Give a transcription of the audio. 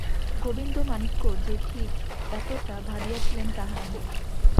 গোবিন্দমাণিক্য যে ঠিক এতটা ভাবিয়াছিলেন তাহা নহে।